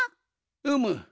うむ。